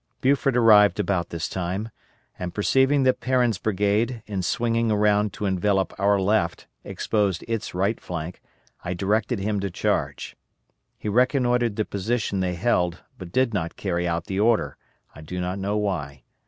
Buford arrived about this time, and perceiving that Perrin's brigade in swinging around to envelop our left exposed its right flank, I directed him to charge. He reconnoitered the position they held, but did not carry out the order; I do not know why.